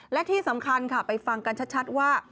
และที่สำคัญค่ะไปฟังกันชัดว่า